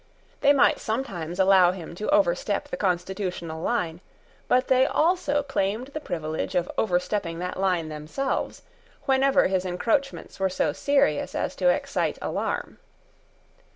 They might sometimes allow him to overstep the constitutional line: but they also claimed the privilege of overstepping that line themselves, whenever his encroachments were so serious as to excite alarm.